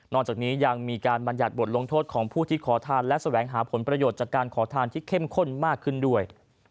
จากนี้ยังมีการบรรยัติบทลงโทษของผู้ที่ขอทานและแสวงหาผลประโยชน์จากการขอทานที่เข้มข้นมากขึ้นด้วย